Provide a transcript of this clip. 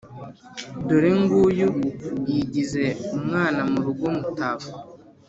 dore ng'uyu yigize umwana mu rugo mutaba!